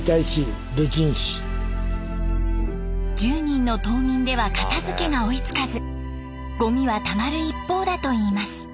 １０人の島民では片づけが追いつかずゴミはたまる一方だといいます。